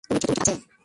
তুমি ঠিক আছে?